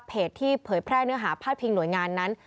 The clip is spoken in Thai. เพจที่เผยแพร่เนื้อหาพาดพิงหน่วยงานนั้น